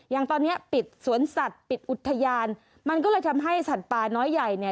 อย่างตอนนี้ปิดสวนสัตว์ปิดอุทยานมันก็เลยทำให้สัตว์ป่าน้อยใหญ่เนี่ย